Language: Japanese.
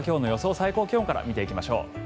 最高気温から見ていきましょう。